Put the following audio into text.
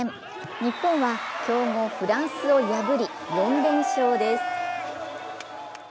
日本は強豪フランスを破り４連勝です。